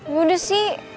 gue udah sih